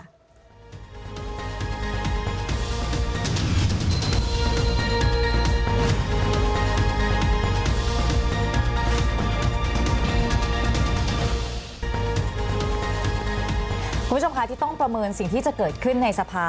คุณผู้ชมคะที่ต้องประเมินสิ่งที่จะเกิดขึ้นในสภา